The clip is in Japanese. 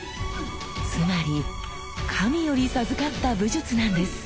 つまり神より授かった武術なんです。